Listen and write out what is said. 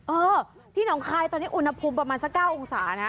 เออที่หนองคายตอนนี้อุณหภูมิประมาณสัก๙องศานะ